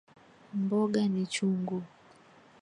Mboga ni chungu.